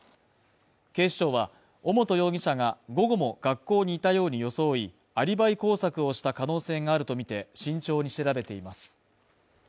警視庁は尾本容疑者が、午後も学校に行ったように装い、アリバイ工作をした可能性があるとみて慎重に調べています。